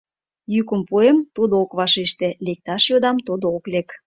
Йӱкым пуэм — тудо ок вашеште, лекташ йодам — тудо ок лек.